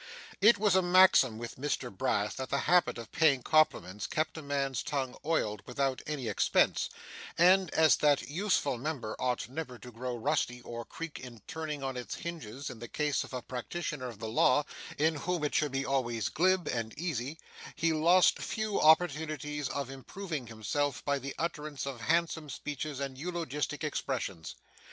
It was a maxim with Mr Brass that the habit of paying compliments kept a man's tongue oiled without any expense; and, as that useful member ought never to grow rusty or creak in turning on its hinges in the case of a practitioner of the law, in whom it should be always glib and easy, he lost few opportunities of improving himself by the utterance of handsome speeches and eulogistic expressions.